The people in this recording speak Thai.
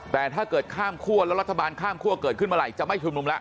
แต่ถ้าเกิดข้ามคั่วแล้วรัฐบาลข้ามคั่วเกิดขึ้นเมื่อไหร่จะไม่ชุมนุมแล้ว